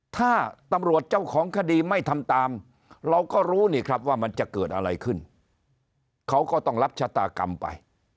ถ้าตำรวจเจ้าของคดีไม่ทำตามเราก็รู้นี่ครับว่ามันจะเกิดอะไรขึ้นเขาก็ต้องรับชะตากรรมไป